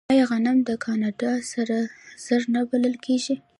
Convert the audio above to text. آیا غنم د کاناډا سره زر نه بلل کیږي؟